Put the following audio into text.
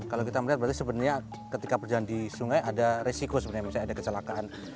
kalau kita melihat berarti sebenarnya ketika berjalan di sungai ada resiko sebenarnya misalnya ada kecelakaan